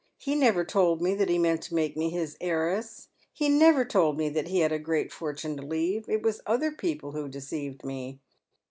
He never told me that he meant to make me his heiress. He never told me that he had a great fortune to leave. It was other people who deceived me.